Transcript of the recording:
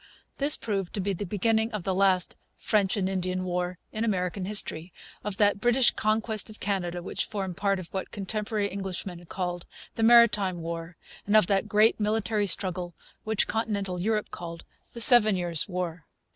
This proved to be the beginning of the last 'French and Indian War' in American history, of that 'British Conquest of Canada' which formed part of what contemporary Englishmen called the 'Maritime War,' and of that great military struggle which continental Europe called the 'Seven Years' War.'